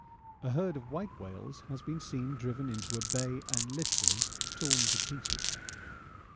A herd of white whales has been seen driven into a bay and literally torn to pieces.